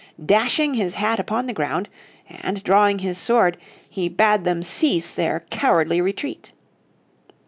Dashing his had upon the ground, and, drawing his sword, he bade them cease their cowardly retreat.